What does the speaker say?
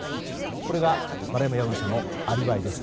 これが丸山容疑者のアリバイです。